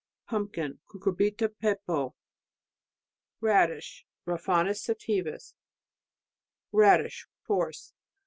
Pumpkin .... Cucurbita pepo. Radish .... Raphanus sativus. Radish, horse